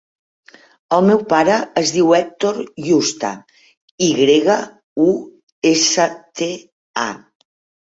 El meu pare es diu Hèctor Yusta: i grega, u, essa, te, a.